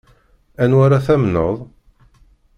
Anwa ara tamneḍ?